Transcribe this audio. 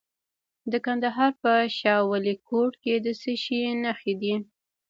د کندهار په شاه ولیکوټ کې د څه شي نښې دي؟